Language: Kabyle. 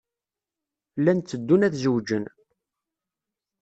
Llan teddun ad zewǧen.